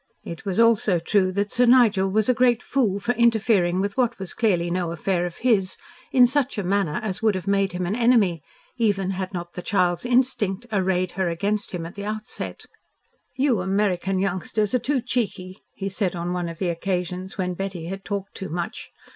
It was also true that Sir Nigel was a great fool for interfering with what was clearly no affair of his in such a manner as would have made him an enemy even had not the child's instinct arrayed her against him at the outset. "You American youngsters are too cheeky," he said on one of the occasions when Betty had talked too much.